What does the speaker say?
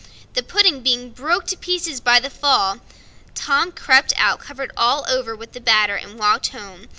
The pudding being broke to pieces by the fall, Tom crept out covered all over with the batter, and walked home.